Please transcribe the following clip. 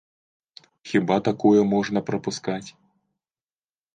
Хіба такое можна прапускаць?